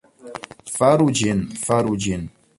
Faru ĝin. Faru ĝin.